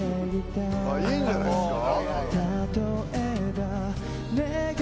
いいんじゃないですか？